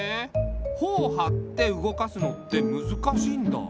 ほをはって動かすのってむずかしいんだ。